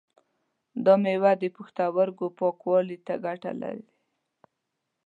دا مېوه د پښتورګو پاکوالی ته ګټه لري.